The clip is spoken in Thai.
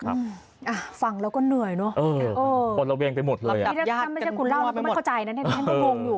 ควรฟังแล้วก็เหนื่อยคุณราวละไม่เข้าใจ